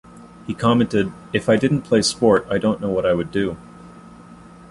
He commented If I didn't play sport I don't know what I would do.